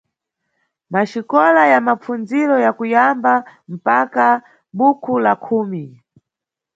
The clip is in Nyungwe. Maxikola ya mapfundziro ya kuyamba mpaka bukhu la khumi.